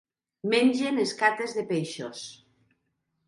Mengen escates de peixos.